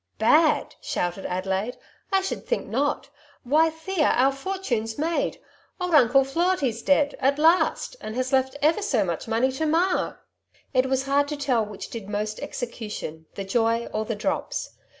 "Bad!" shouted Adelaide; ''1 should think not ! Why, Thea, our fortune's made. Old Uncle Floarty's dead at last, and has left ever so much money to ma !") 1 68 ^* Two Sides to every Quest iony It was hard to tell which did most execation, the joy or the drops.